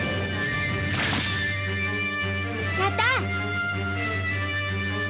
やった！